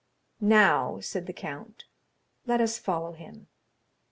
"Now," said the count, "let us follow him."